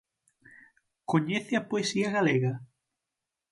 Coñece a poesía galega?